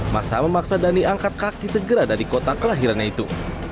masa memaksa dhani angkat kaki segera dari kota kelahirannya itu